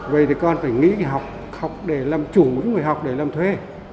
vậy thì con phải nghĩ học học để làm chủ muốn học để làm thuê